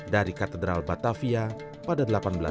dari katedral batavia pada seribu delapan ratus sembilan puluh